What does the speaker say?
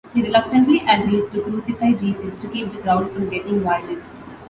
He reluctantly agrees to crucify Jesus to keep the crowd from getting violent.